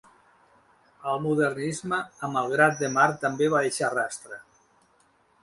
El modernisme a Malgrat de Mar també va deixar rastre.